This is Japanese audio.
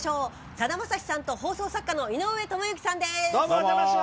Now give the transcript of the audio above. さだまさしさんと放送作家の井上知幸さんです。